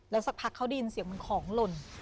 สักพักเขาได้ยินเสียงเหมือนของหล่น